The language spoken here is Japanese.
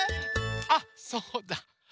あっそうだ！